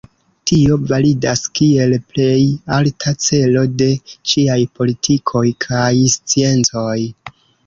Tio validas kiel plej alta celo de ĉiaj politikoj kaj sciencoj.